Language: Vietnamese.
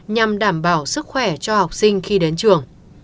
nhằm đảm bảo sức khỏe cho học sinh khi đến trường